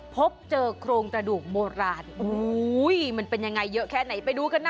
พบเจอโครงกระดูกโบราณมันเป็นยังไงเยอะแค่ไหนไปดูกันนะ